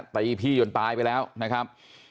ตีพี่จนตายไปแล้วนะครับ